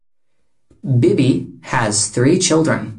Bibby has three children.